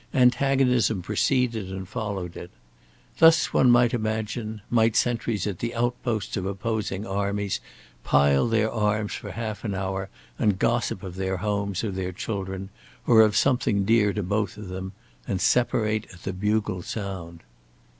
Antagonism preceded and followed it. Thus, one might imagine, might sentries at the outposts of opposing armies pile their arms for half an hour and gossip of their homes or their children, or of something dear to both of them and separate at the bugle sound.